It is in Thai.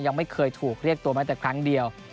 ยังไม่เคยถูกเรียกตัวแม้แต่ครั้งเดียว